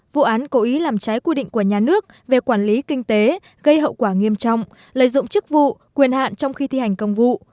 vụ án cố ý làm trái quy định của nhà nước về quản lý kinh tế gây hậu quả nghiêm trọng lợi dụng chức vụ quyền hạn trong khi thi hành công vụ